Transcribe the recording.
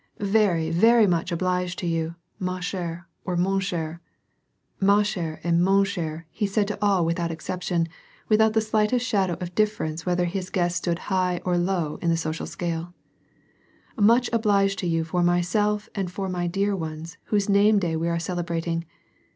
" Very, very much obliged to you, ma chere or mon eher " (ma chere or mon cher he said to all without exception, with out the slightest shadow of difference whether his guests stood high or low in the social scale), *' much obliged to you for myself and for my dear ones whose name day we are celebrating.